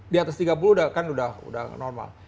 di atas tiga puluh kan sudah normal